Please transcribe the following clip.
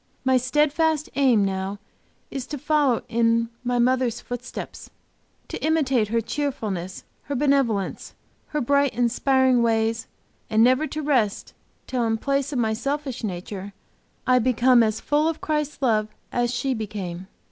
My steadfast aim now is to follow in my mother's footsteps; to imitate her cheerfulness, her benevolence, her bright, inspiring ways, and never to rest till in place of my selfish nature I become as full of Christ's love as she became.